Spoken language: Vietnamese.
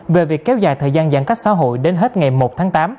về việc kéo dài thời gian giãn cách xã hội đến hết ngày một tháng tám